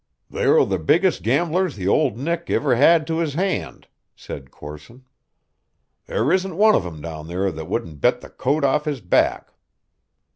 "They're the biggest gamblers the Ould Nick iver had to his hand," said Corson; "there isn't one of 'em down there that wouldn't bet the coat off his back."